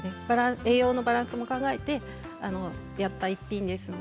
栄養のバランスも考えてやった一品です。